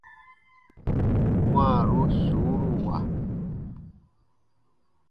Wãaru suuruwa.